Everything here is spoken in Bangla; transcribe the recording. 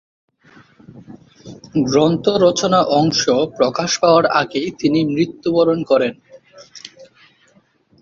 গ্রন্থের রচনা-অংশ প্রকাশ পাওয়ার আগেই তিনি মৃত্যুবরণ করেন।